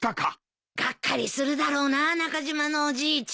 がっかりするだろうな中島のおじいちゃん。